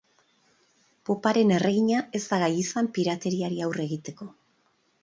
Poparen erregina ez da gai izan pirateriari aurre egiteko.